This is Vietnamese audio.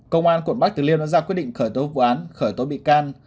công an của bắc tử liêu đã ra quyết định khởi tố vụ án khởi tố bị can